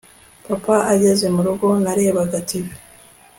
Papa ageze murugo narebaga TV